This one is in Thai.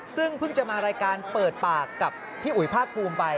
ซึ่งเพิ่งจะมารายการเปิดปากกับพี่อุ๋ยภาคภูมิไป